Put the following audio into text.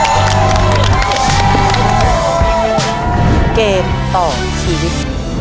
เกมต่อชีวิต